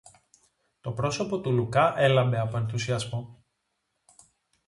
Το πρόσωπο του Λουκά έλαμπε από ενθουσιασμό.